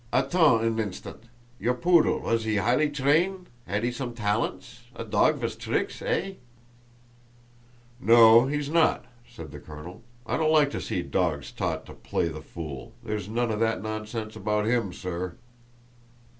"Attend an instant; your poodle, was he 'ighly train, had he some talents—a dog viz tricks, eh?" "No, he's not," said the colonel; "I don't like to see dogs taught to play the fool; there's none of that nonsense about him, sir!"